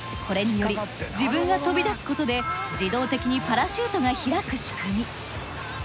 これにより自分が飛び出すことで自動的にパラシュートが開く仕組み。